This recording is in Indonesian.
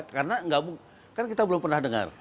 karena kita belum pernah dengar